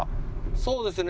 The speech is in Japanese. そうですね。